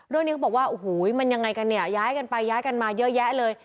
เรื่องนี้เขาบอกว่าโอ้โหมันยังไงกันเนี่ยย้ายกันไปย้ายกันมาเยอะแยะเลย